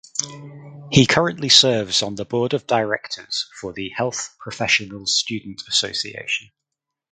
He currently serves on the board of directors for the Health Professional Student Association.